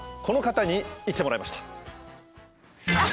この方に行ってもらいました。